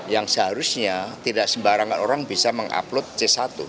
yang seharusnya tidak sembarangan orang bisa mengupload c satu